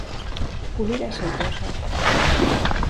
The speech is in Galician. Pulida e xeitosa.